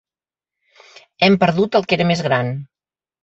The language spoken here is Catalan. Hem perdut el que era més gran.